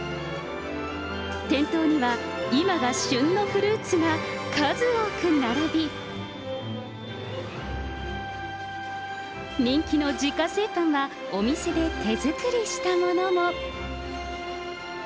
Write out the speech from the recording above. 店頭には今が旬のフルーツが数多く並び、人気の自家製パンはお店で手作りしたものも。